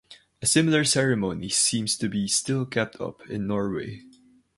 A similar ceremony seems to be still kept up in Norway.